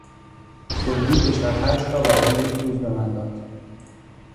دیوید دوچرخهاش را برای یک روز به من داد.